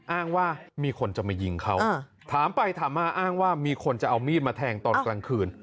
อ้างว่ามีคนจะมายิงเขาถามไปถามมาอ้างว่ามีคนจะเอามีดมาแทงตอนกลางคืน